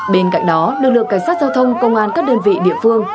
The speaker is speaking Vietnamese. bên cạnh đó lực lượng cảnh sát giao thông công an các đơn vị địa phương